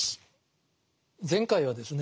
前回はですね